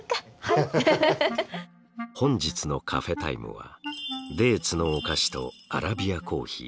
本日のカフェタイムはデーツのお菓子とアラビアコーヒー。